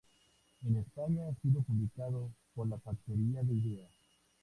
En España ha sido publicado por La Factoría de Ideas.